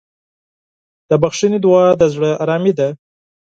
د بښنې دعا د زړه ارامي ده.